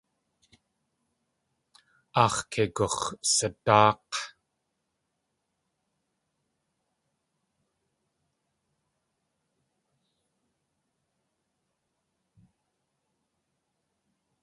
Aax̲ kei gux̲sadáak̲.